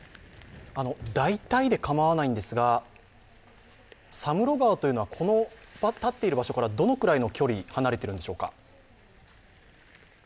大体で構わないんですが、佐室川というのは立っている場所からどのくらいの距離、離れてるんでしょうか？